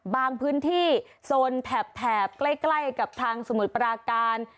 บางพื้นที่โซนแถบใกล้กับทางสมุทรปราการ